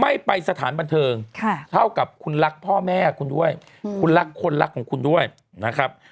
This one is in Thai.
ไม่ไปสถานบันเทิงเท่ากับคุณรักพ่อแม่คุณด้วยคุณรักคนรักของคุณด้วยนะครับ